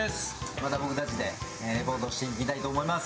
また僕たちでレポートしていきたいと思います。